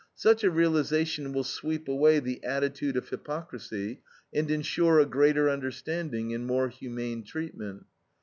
Such a realization will sweep away the attitude of hypocrisy, and insure a greater understanding and more humane treatment.